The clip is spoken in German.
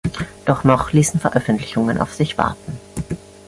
Doch noch ließen Veröffentlichungen auf sich warten.